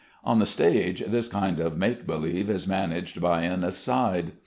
On the stage, this kind of make believe is managed by an "aside."